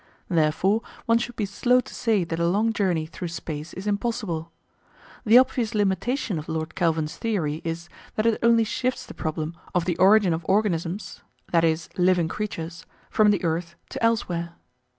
Therefore, one should be slow to say that a long journey through space is impossible. The obvious limitation of Lord Kelvin's theory is that it only shifts the problem of the origin of organisms (i.e. living creatures) from the earth to elsewhere.